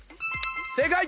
正解！